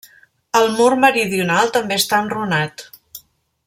El mur meridional també està enrunat.